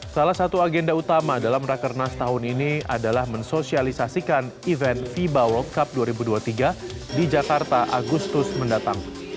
salah satu agenda utama dalam rakernas tahun ini adalah mensosialisasikan event fiba world cup dua ribu dua puluh tiga di jakarta agustus mendatang